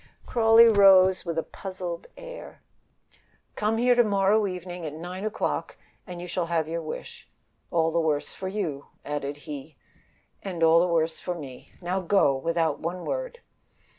Crawley rose with a puzzled air. "Come here to morrow evening at nine o'clock, and you shall have your wish. All the worse for you," added he, moodily. "All the worse for me. Now go, without one word."